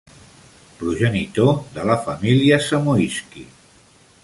Progenitor de la família Zamoyski.